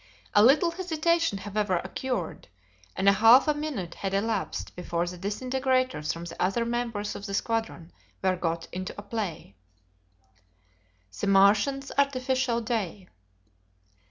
A little hesitation, however, occurred, and a half a minute had elapsed before the disintegrators from the other members of the squadron were got into play. The Martians' Artificial Day.